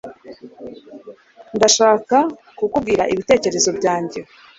Ndashaka kukubwira ibitekerezo byanjye